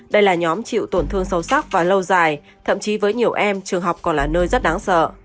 đây là nhóm chịu tổn thương sâu sắc và lâu dài thậm chí với nhiều em trường học còn là nơi rất đáng sợ